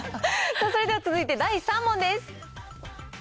それでは続いて第３問です。